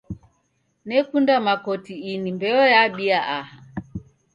Nekunda makoti ini mbeo yabia aha.